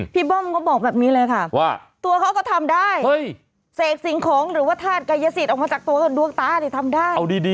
เบิ้มก็บอกแบบนี้เลยค่ะว่าตัวเขาก็ทำได้เสกสิ่งของหรือว่าธาตุกายสิทธิ์ออกมาจากตัวดวงตานี่ทำได้